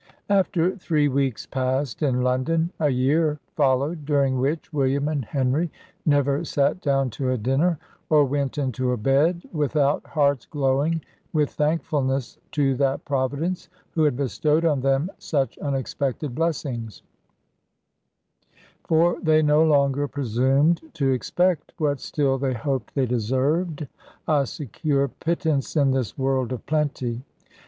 After three weeks passed in London, a year followed, during which William and Henry never sat down to a dinner, or went into a bed, without hearts glowing with thankfulness to that Providence who had bestowed on them such unexpected blessings; for they no longer presumed to expect (what still they hoped they deserved) a secure pittance in this world of plenty.